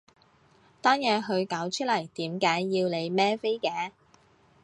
單嘢佢搞出嚟，點解要你孭飛嘅？